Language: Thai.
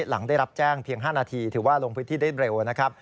หลังได้รับแจ้งเพียง๕นาทีถือว่าลงพื้นที่ได้เร็วนะครับ